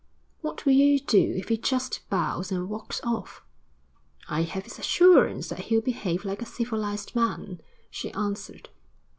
'What will you do if he just bows and walks off?' 'I have his assurance that he'll behave like a civilised man,' she answered.